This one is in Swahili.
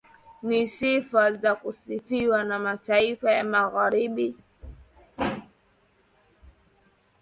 na sifa za kusifiwa na Mataifa ya magharibi